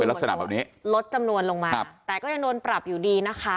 ก็คือลดจำนวนลงมาแต่ก็ยังโดนปรับอยู่ดีนะคะ